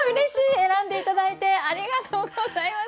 選んで頂いてありがとうございます。